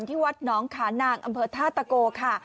ที่วัดหนองขานางอำเภอท่าตะโกค่ะ